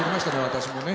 私もね。